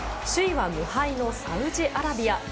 首位は無敗のサウジアラビア。